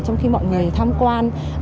trong khi mọi người tham quan